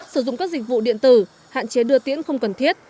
sử dụng các dịch vụ điện tử hạn chế đưa tiễn không cần thiết